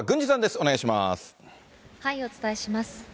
お伝えします。